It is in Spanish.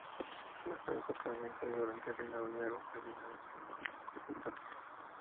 Más tarde fue pavimentada y durante el reinado de Nerón fue alineada con columnatas.